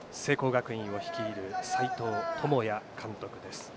学院を率いる斎藤智也監督です。